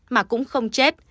mà cũng không chết